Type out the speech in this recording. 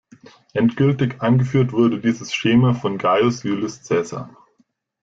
Endgültig eingeführt wurde dieses Schema von Gaius Iulius Caesar.